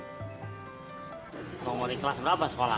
kamu mau ke kelas berapa sekolah